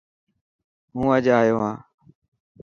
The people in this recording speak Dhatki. هو اڄ ايو هان.